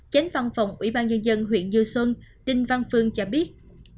chánh văn phòng ủy ban nhân dân huyện như xuân đinh văn phương cho biết